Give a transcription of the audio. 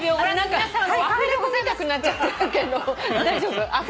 アフレコみたくなっちゃってるけど大丈夫？